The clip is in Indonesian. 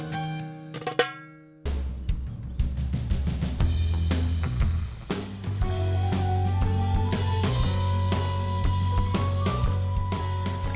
kamu tau gak